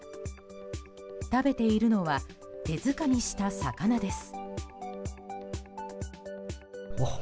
食べているのは手づかみした魚です。